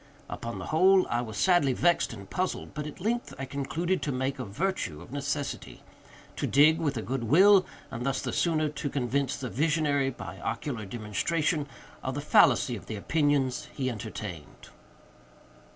Upon the whole, I was sadly vexed and puzzled, but, at length, I concluded to make a virtue of necessity—to dig with a good will, and thus the sooner to convince the visionary, by ocular demonstration, of the fallacy of the opinions he entertained.